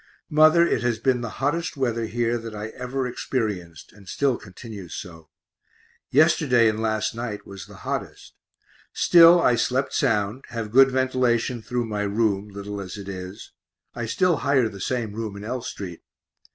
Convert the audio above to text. Mother, it has been the hottest weather here that I ever experienced, and still continues so. Yesterday and last night was the hottest. Still, I slept sound, have good ventilation through my room, little as it is (I still hire the same room in L street).